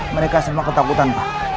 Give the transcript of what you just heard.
mereka semua ketakutan pak